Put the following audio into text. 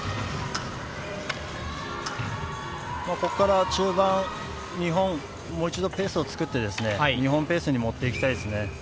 ここから中盤、日本はもう一度ペースを作って、日本ペースにもっていきたいですね。